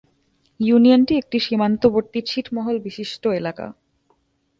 ইউনিয়নটি একটি সীমান্তবর্তী ছিটমহল বিশিষ্ট এলাকা।